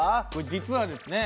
実はですね